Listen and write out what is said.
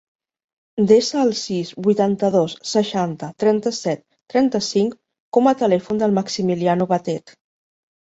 Desa el sis, vuitanta-dos, seixanta, trenta-set, trenta-cinc com a telèfon del Maximiliano Batet.